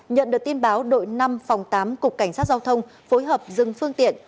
nhận được tin báo đội năm phòng tám cục cảnh sát giao thông phối hợp dừng phương tiện